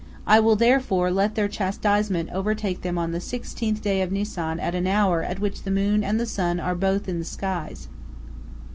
I will therefore let their chastisement overtake them on the sixteenth day of Nisan at an hour at which the moon and the sun are both in the skies."